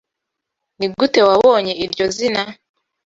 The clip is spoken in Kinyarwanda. Nigute wabonye iryo zina?